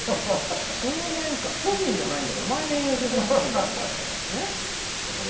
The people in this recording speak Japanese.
数年間、巨人じゃないから毎年勝たなくていいから。